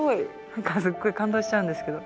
何かすごい感動しちゃうんですけど。